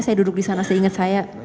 saya duduk disana seingat saya